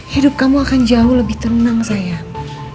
hidup kamu akan jauh lebih tenang sayang